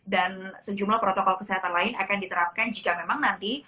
dan sejumlah protokol kesehatan lain akan diterapkan jika memang nanti